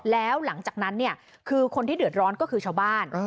แล้วหลังจากนั้นเนี่ยคือคนที่เดือดร้อนก็คือชาวบ้าน